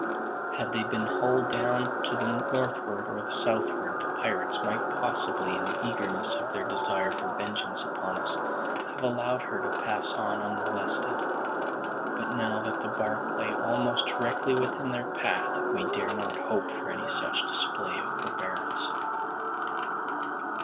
Had they been hull down to the northward or the southward, the pirates might possibly, in the eagerness of their desire for vengeance upon us, have allowed her to pass on unmolested; but now that the barque lay almost directly within their path, we dared not hope for any such display of forbearance.